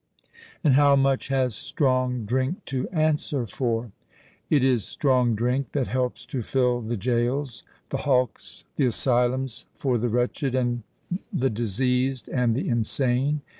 And how much has STRONG DRINK to answer for? It is strong drink that helps to fill the gaols—the hulks—the asylums for the wretched, the diseased, and the insane.